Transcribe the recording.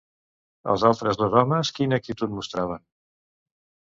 Els altres dos homes quina actitud mostraven?